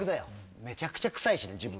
めちゃくちゃ臭いしね、自分。